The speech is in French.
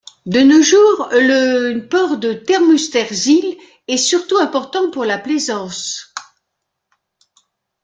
De nos jours, le port de Termunterzijl est surtout important pour la plaisance.